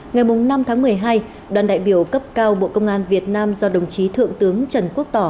ngày năm tháng một mươi hai đoàn đại biểu cấp cao bộ công an việt nam do đồng chí thượng tướng trần quốc tỏ